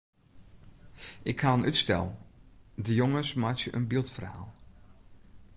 Ik ha in útstel: de jonges meitsje in byldferhaal.